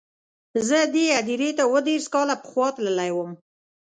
زه دې هدیرې ته اووه دېرش کاله پخوا تللی وم.